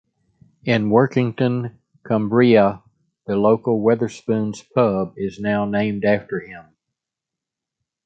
In Workington, Cumbria, the local Wetherspoons pub is now named after him.